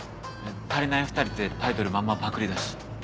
『たりないふたり』ってタイトルまんまパクリだし。